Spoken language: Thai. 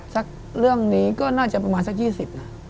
เรื่องนี้ก็น่าจะประมาณสัก๒๐นะ